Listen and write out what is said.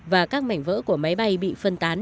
và các mảnh vỡ của máy bay bị phân tán